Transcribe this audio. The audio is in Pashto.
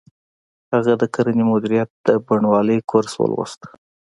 هغه د کرنې مدیریت د بڼوالۍ کورس ولوست